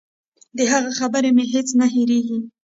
د هغه خبرې مې هېڅ نه هېرېږي.